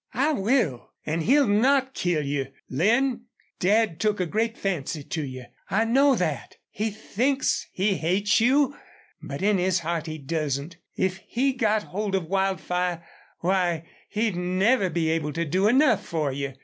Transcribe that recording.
"I will! An' he'll not kill you. Lin, Dad took a great fancy to you. I know that. He thinks he hates you. But in his heart he doesn't. If he got hold of Wildfire why, he'd never be able to do enough for you.